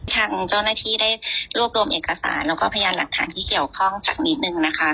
ทางเจ้าหน้าที่ได้รวบรวมเอกสารแล้วก็พยานหลักฐานที่เกี่ยวข้องสักนิดนึงนะคะ